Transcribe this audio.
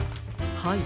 ☎はい。